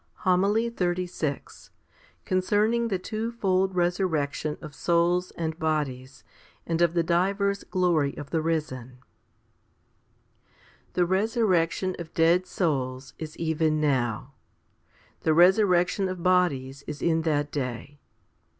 1 Matt. xi. 28. z Heb. iv. 1 1. HOMILY XXXVI Concerning the twofold resurrection of souls and bodies, and of the divers glory of the risen. i. THE resurrection of dead souls is even now. The resurrection of bodies is in that day.